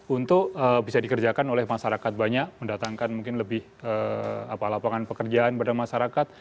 untuk bisa dikerjakan oleh masyarakat banyak mendatangkan mungkin lebih lapangan pekerjaan pada masyarakat